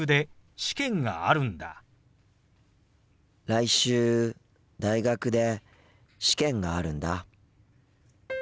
来週大学で試験があるんだ。